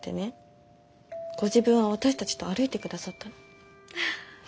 ご自分は私たちと歩いてくださったの。